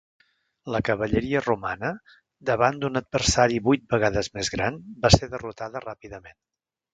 La cavalleria romana, davant d'un adversari vuit vegades més gran, va ser derrotada ràpidament.